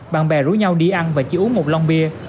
bạn bè rủ nhau đi ăn và chỉ uống một long bia